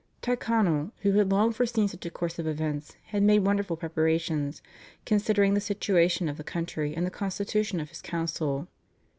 Tyrconnell, who had long foreseen such a course of events, had made wonderful preparations, considering the situation of the country and the constitution of his council.